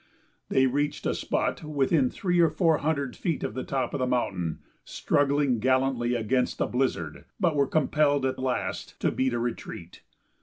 They reached a spot within three or four hundred feet of the top of the mountain, struggling gallantly against a blizzard, but were compelled at last to beat a retreat.